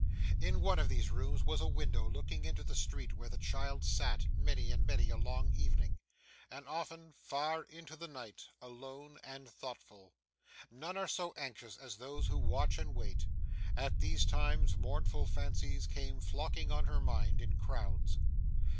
In one of these rooms, was a window looking into the street, where the child sat, many and many a long evening, and often far into the night, alone and thoughtful. None are so anxious as those who watch and wait; at these times, mournful fancies came flocking on her mind, in crowds.